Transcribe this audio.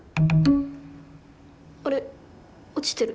あれ落ちてる。